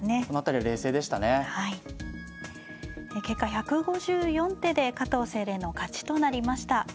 結果１５４手で加藤清麗の勝ちとなりました。